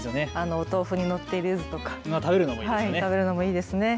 お豆腐に乗っているゆずとか、食べるのもいいですよね。